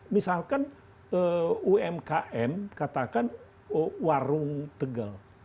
misalkan umkm katakan warung tegal